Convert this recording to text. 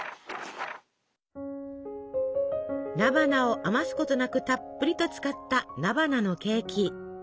菜花を余すことなくたっぷりと使った菜花のケーキ。